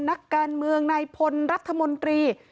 นักการเมืองนายพลรัฐมนตรี